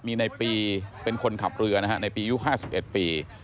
มีในปีเป็นคนขับเรือนะฮะในปียุค๕๑ปี